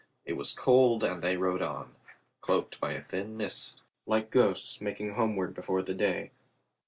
It was cold and they rode on, cloaked by a thin mist, like ghosts making homeward before the day.